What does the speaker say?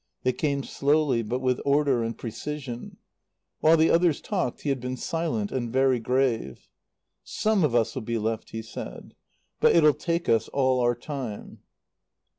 They came slowly but with order and precision. While the others talked he had been silent and very grave. "Some of us'll be left," he said. "But it'll take us all our time."